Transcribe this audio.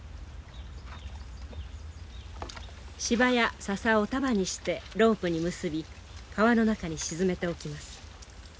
柴や笹を束にしてロープに結び川の中に沈めておきます。